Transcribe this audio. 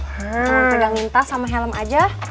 jangan pegangin tas sama helm aja